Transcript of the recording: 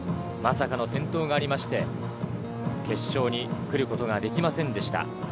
まさかの転倒がありまして、決勝に来ることができませんでした。